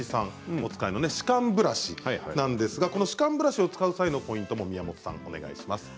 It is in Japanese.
お使いの歯間ブラシなんですが歯間ブラシを使う際のポイントも宮本さん、お願いします。